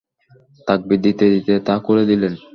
তাকবীর দিতে দিতে তা খুলে দিলেন।